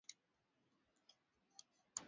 mnamo aprili meli ya titanic iliwekwa kwenye huduma